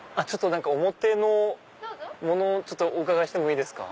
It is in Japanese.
表のお伺いしてもいいですか？